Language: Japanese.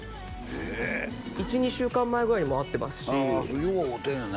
ええっ１２週間前ぐらいにも会ってますしよう会うてんねやね